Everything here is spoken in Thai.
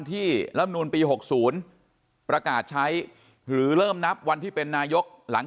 รำนูลปี๖๐ประกาศใช้หรือเริ่มนับวันที่เป็นนายกหลัง